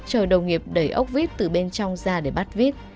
chờ đồng nghiệp đẩy ốc vít từ bên trong ra để bắt vít